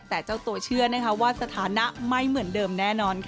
แต่เจ้าตัวเชื่อนะคะว่าสถานะไม่เหมือนเดิมแน่นอนค่ะ